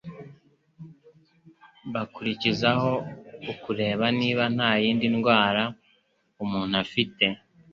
bakurikizaho ukureba niba nta yindi ndwara umuntu afite